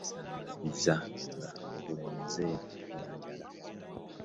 Osagambiza nga, akimezezza okw’enjala.